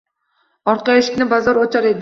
Orqa eshikni bazo‘r ochar edi.